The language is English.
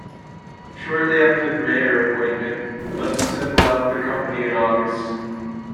Shortly after the Mayer appointment, Levinsohn left the company in August.